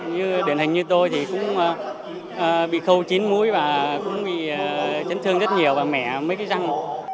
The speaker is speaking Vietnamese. như điển hình như tôi thì cũng bị khâu chín mũi và cũng bị chấn thương rất nhiều và mẻ mấy cái răng mộ